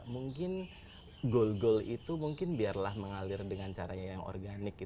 mungkin goal goal itu mungkin biarlah mengalir dengan caranya yang organik